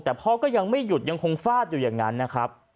แต่พ่อก็ยังไม่หยุดยังคงฟาดอยู่อย่างนั้นนะครับ